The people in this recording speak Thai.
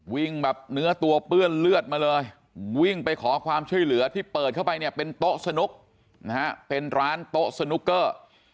วิ่งแบบเนื้อตัวเปื้อนเลือดมาเลยวิ่งไปขอความช่วยเหลือที่เปิดเข้าไปเนี่ยเป็นโต๊ะสนุกนะฮะเป็นร้านโต๊ะสนุกเกอร์